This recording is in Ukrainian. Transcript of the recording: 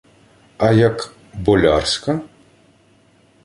— А як... болярська?